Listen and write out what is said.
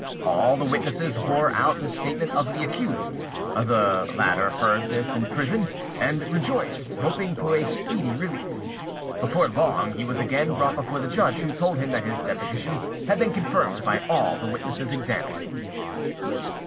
All the witnesses bore out the statement of the accused; the latter heard this in prison, and rejoiced, hoping for a speedy release. Before long he was again brought before the judge, who told him that his deposition had been confirmed by all the witnesses examined.